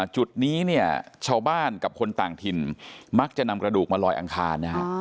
จุดนี้เนี่ยชาวบ้านกับคนต่างถิ่นมักจะนำกระดูกมาลอยอังคารนะฮะ